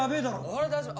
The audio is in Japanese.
俺は大丈夫。